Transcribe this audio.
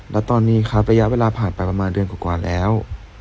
แล้วตอนนี้ครับระยะเวลาผ่านไปประมาณเดือนกว่าแล้ว